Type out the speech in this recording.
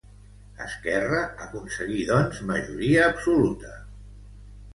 Esquerra aconseguí, doncs, majoria absoluta.